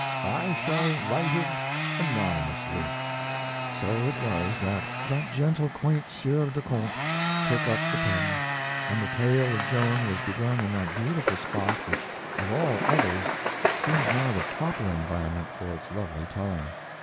I shall write it anonymously." So it was that that gentle, quaint Sieur de Conte took up the pen, and the tale of Joan was begun in that beautiful spot which of all others seems now the proper environment for its lovely telling.